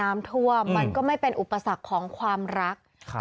มันก็ไม่เป็นอุปสรรคของความรักครับ